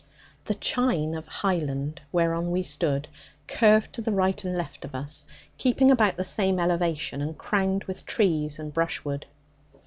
The chine of highland, whereon we stood, curved to the right and left of us, keeping about the same elevation, and crowned with trees and brushwood.